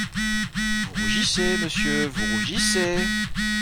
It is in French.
Vous rougissez, monsieur, vous rougissez!